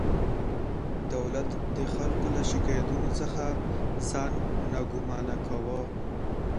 دولت د خلکو له شکایتونو څخه ځان ناګمانه کاوه.